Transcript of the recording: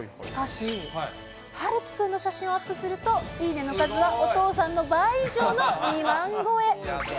しかし、陽喜くんの写真をアップすると、いいねの数はお父さんの倍以上の２万超え。